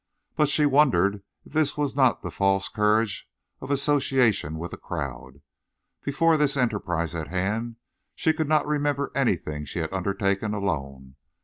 But she wondered if this was not the false courage of association with a crowd. Before this enterprise at hand she could not remember anything she had undertaken alone.